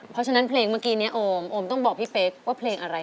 เพราะฉะนั้นเพลงเมื่อกี้นี้โอมโอมต้องบอกพี่เป๊กว่าเพลงอะไร